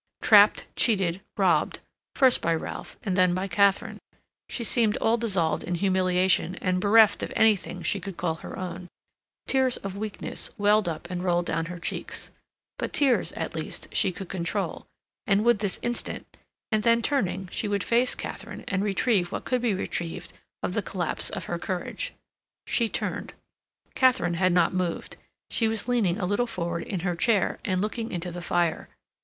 Trapped, cheated, robbed, first by Ralph and then by Katharine, she seemed all dissolved in humiliation, and bereft of anything she could call her own. Tears of weakness welled up and rolled down her cheeks. But tears, at least, she could control, and would this instant, and then, turning, she would face Katharine, and retrieve what could be retrieved of the collapse of her courage. She turned. Katharine had not moved; she was leaning a little forward in her chair and looking into the fire.